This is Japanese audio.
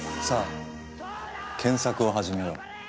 さあ検索を始めよう。